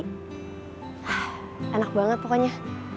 hah enak banget pokoknya